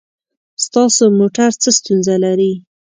ستاسو موټر څه ستونزه لري؟